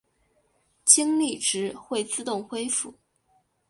精力值会自动恢复。